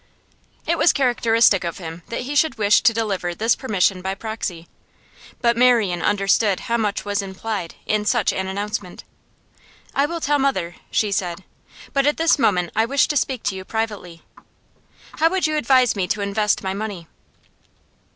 It was characteristic of him that he should wish to deliver this permission by proxy. But Marian understood how much was implied in such an announcement. 'I will tell mother,' she said. 'But at this moment I wished to speak to you privately. How would you advise me to invest my money?